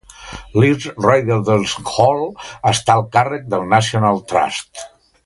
L'East Riddlesden Hall està al càrrec del National Trust.